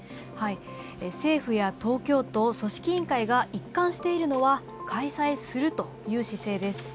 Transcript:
政府や東京都組織委員会が一貫しているのは開催するという姿勢です。